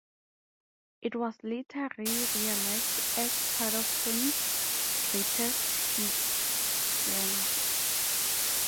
It was later re-released as part of Sony's "Greatest Hits" line-up.